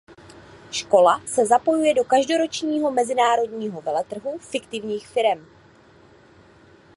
Škola se zapojuje do každoročního mezinárodního veletrhu fiktivních firem.